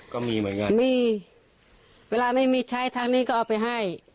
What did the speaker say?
ก็มีเหมือนกันมีเวลาไม่มีใช้ทางนี้ก็เอาไปให้